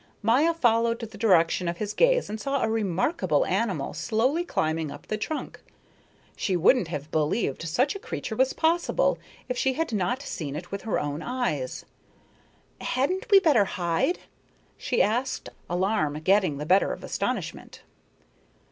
Maya followed the direction of his gaze and saw a remarkable animal slowly climbing up the trunk. She wouldn't have believed such a creature was possible if she had not seen it with her own eyes. "Hadn't we better hide?" she asked, alarm getting the better of astonishment.